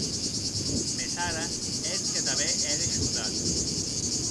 Mès ara eth que tanben ère shordat.